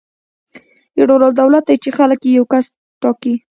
یو ډول دولت دی چې خلک یې یو کس ټاکي.